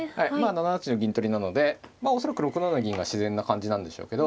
７八の銀取りなので恐らく６七銀が自然な感じなんでしょうけど。